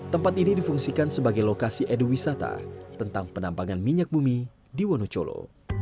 tempat ini difungsikan sebagai lokasi edu wisata tentang penampangan minyak bumi di wonocolo